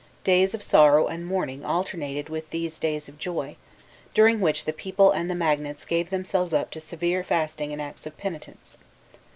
Days of sorrow and mourning alternated with these days of joy, during which the people and the magnates gave themselves up to severe fasting and acts of penitence.